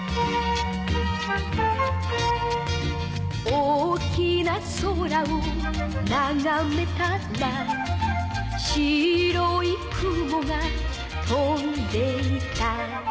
「大きな空をながめたら」「白い雲が飛んでいた」